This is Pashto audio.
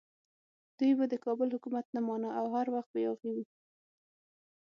دوی د کابل حکومت نه مانه او هر وخت به یاغي وو.